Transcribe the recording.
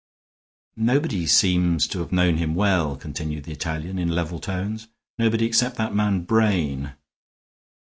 "Nobody seems to have known him well," continued the Italian, in level tones. "Nobody except that man Brain.